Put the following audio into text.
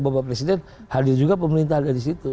bapak presiden hadir juga pemerintah hadir di situ